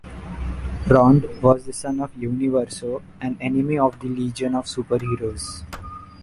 Rond was the son of Universo, an enemy of the Legion of Super-Heroes.